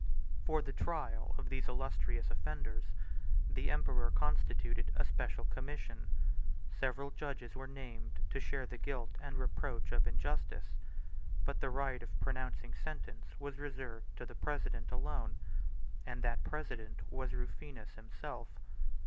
For the trial of these illustrious offenders, the emperor constituted a special commission: several judges were named to share the guilt and reproach of injustice; but the right of pronouncing sentence was reserved to the president alone, and that president was Rufinus himself.